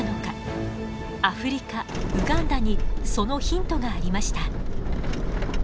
アフリカウガンダにそのヒントがありました。